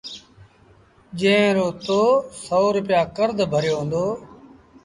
جݩهݩ رو تو سو روپيآ ڪرز ڀريو هُݩدو